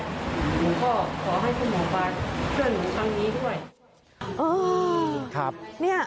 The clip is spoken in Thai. หนูก็ขอให้คุณหมอปลาช่วยหนูทั้งนี้ด้วย